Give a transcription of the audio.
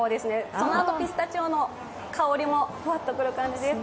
そのあとピスタチオの香りもふわっとくる感じです。